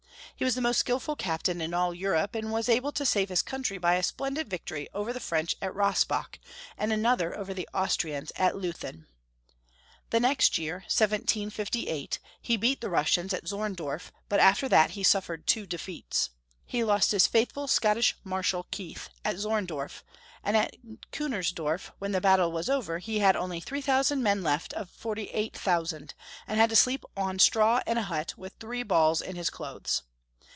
He was the most skillful captain in all Europe, and was able to save his country by a splendid victory over the French at Rossbach, and another over the Austrians at Leuthen. The next year, 1758, he beat the Russians at Zorndorf, but after that he suffered two defeats. He lost his faithful Scottish Marshal Keith at Zorndorf, and at Kunersdorf, when the battle was over, he had only 3000 men left out of 48,000, and had to sleep on straw in a hut, with three balls in his clothes.